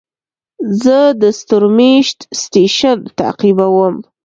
زه د ستورمېشت سټېشن تعقیبوم.